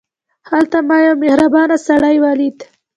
هلته ما یو مهربان سړی ولید.